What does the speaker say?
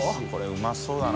うまそうだな。